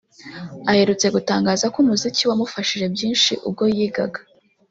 Aherutse gutangaza ko umuziki wamufashije byinshi ubwo yigaga